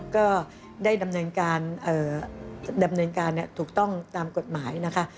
ก็ได้ดำเนินการถูกต้องตามกฎหมายนะคะ